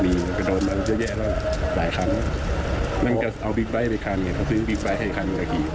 ชนขับนู้นครับนี่ลุงได้ข่าวไหม